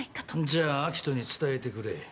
じゃあ明人に伝えてくれ。